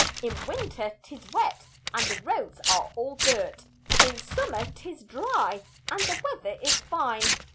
In winter 'tis wet, and the roads are all dirt, In summer 'tis dry, and the weather is fine.